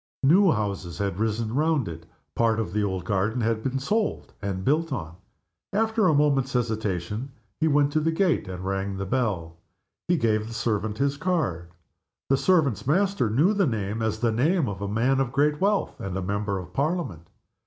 New houses had risen round it, part of the old garden had been sold and built on. After a moment's hesitation he went to the gate and rang the bell. He gave the servant his card. The servant's master knew the name as the name of a man of great wealth, and of a Member of Parliament.